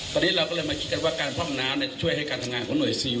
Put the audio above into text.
ตอนนี้เราก็เลยมาคิดกันว่าการพร่องน้ำช่วยให้การทำงานของหน่วยซิล